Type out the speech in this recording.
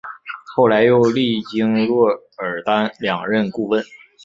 后来又历经若尔丹两任顾问。